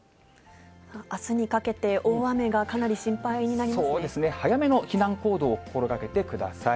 あすにかけて大雨がかなり心そうですね、早めの避難行動を心がけてください。